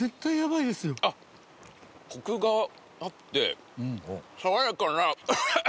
あっコクがあって爽やかな。